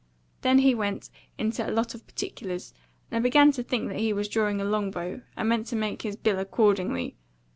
Then he went into a lot of particulars, and I begun to think he was drawing a long bow, and meant to make his bill accordingly.